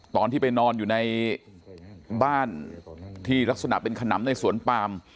ตอนที่ไปนอนอยู่ในบ้านที่ลักษณะเป็นขนำในสวนปาม